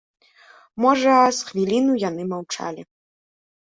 Можа, з хвіліну яны маўчалі.